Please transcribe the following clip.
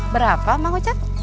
berapa mang ocat